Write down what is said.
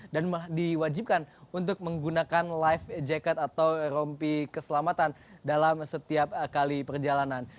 dan diwajibkan untuk menggunakan life jacket atau rompi keselamatan dalam setiap kali perjalanan